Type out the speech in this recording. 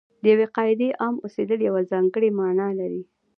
د یوې قاعدې عام اوسېدل یوه ځانګړې معنا لري.